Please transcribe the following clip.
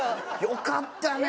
よかったね！